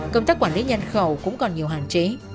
công tác quản lý nhân khẩu cũng còn nhiều hạn chế